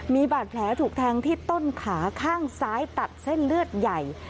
มีบาดแผลถูกแทงที่ต้นขาข้างซ้ายตัดเส้นเลือดใหญ่